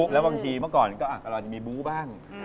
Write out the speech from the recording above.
แล้วบางทีเมื่อก่อนก็เราจะมีบู๊บ้าง